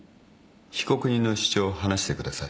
被告人の主張を話してください。